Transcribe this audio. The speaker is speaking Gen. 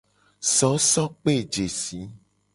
Sosokpejesi.